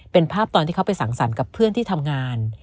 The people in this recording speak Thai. เป็นภาพตอนที่เขาไปสั่งสรรค์กับเพื่อนที่ทำงาน